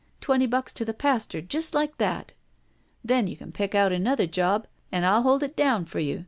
Twenty bucks to the pastor, just like that! Then you can pick out another job and I'll hold it down for you.